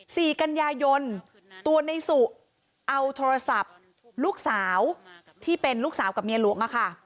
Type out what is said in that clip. สี่กันยายนตัวในสุเอาโทรศัพท์ลูกสาวที่เป็นลูกสาวกับเมียหลวงอะค่ะ